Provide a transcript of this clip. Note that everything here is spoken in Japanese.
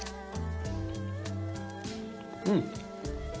うん。